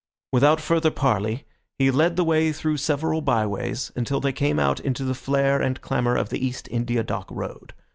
Without further parley, he led the way through several by ways until they came out into the flare and clamour of the East India Dock Road.